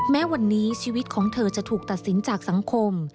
แม้วันนี้ชีวิตของเธอจะถูกตัดสินจากสังคม